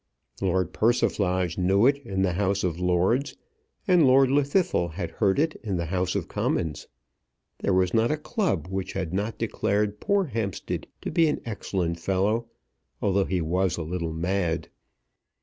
Lord Persiflage knew it in the House of Lords, and Lord Llwddythlw had heard it in the House of Commons. There was not a club which had not declared poor Hampstead to be an excellent fellow, although he was a little mad.